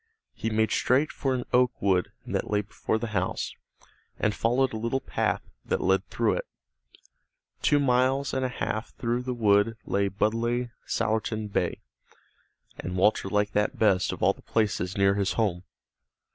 He made straight for an oak wood that lay before the house, and followed a little path that led through it. Two miles and a half through the wood lay Budleigh Salterton Bay, and Walter liked that best of all the places near his home.